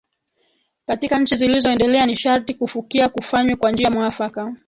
Katika nchi zilizoendelea ni sharti kufukia kufanywe kwa njia mwafaka